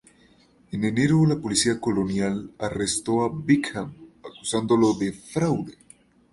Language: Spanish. En enero la policía colonial arrestó a Bingham acusándolo de fraude.